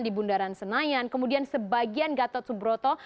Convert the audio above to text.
di bundaran senayan kemudian sebagian gatot subroto